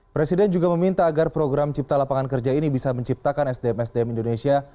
presiden juga meminta agar program cipta lapangan kerja ini bisa menciptakan sdm sdm indonesia